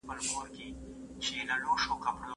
د هغه ځان وژنه د ناخوښۍ پايله وه.